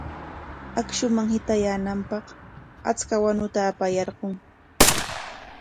Akshuman hitayaananpaq achka wanuta apayarqun.